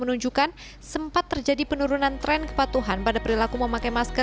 menunjukkan sempat terjadi penurunan tren kepatuhan pada perilaku memakai masker